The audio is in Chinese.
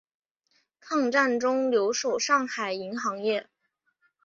抗战中留守上海银行业。